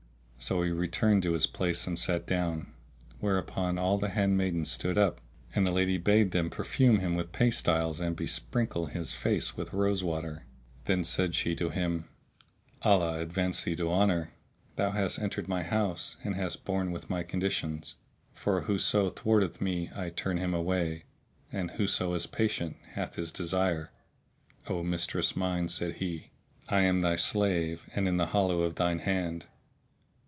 So he returned to his place and sat down, where upon all the handmaidens stood up and the lady bade them perfume him with pastiles and besprinkle his face with rose water. Then said she to him, "Allah advance thee to honour! Thou hast entered my house and hast borne with my conditions, for whoso thwarteth me I turn him away, and whoso is patient hath his desire." "O mistress mine," said he, "I am thy slave and in the hollow of thine hand!"